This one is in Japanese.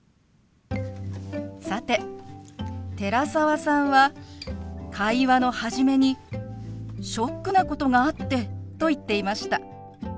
さて寺澤さんは会話の初めに「ショックなことがあって」と言っていました。